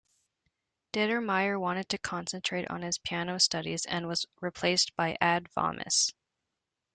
Determeijer wanted to concentrate on his piano studies and was replaced by Ad Wammes.